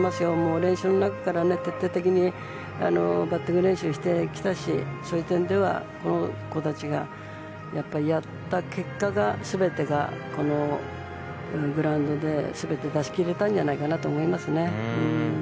練習の中から、徹底的にバッティング練習してきたしそういう点ではこの子たちがやった結果このグラウンドで全てを出しきれたんじゃないかなと思いますね。